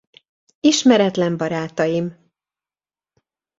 Ismeretlen barátaim!